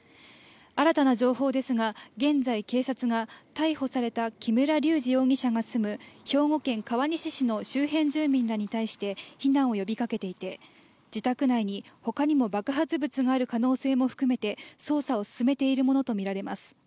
新たな情報ですが、現在、警察が逮捕された木村隆二容疑者が住む兵庫県川西市の周辺住民らに対して避難を呼びかけていて、自宅内に他にも爆発物がある可能性も含めて捜査を進めているものとみられます。